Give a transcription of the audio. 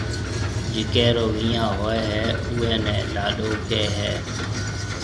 جيڪيَ رو ويهان هوئي هيَ اوئي نَي لاڏو ڪهيَ هيَ۔